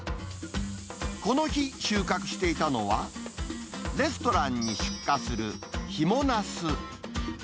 この日、収穫していたのは、レストランに出荷するヒモナス。